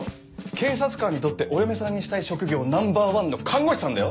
警察官にとってお嫁さんにしたい職業ナンバーワンの看護師さんだよ？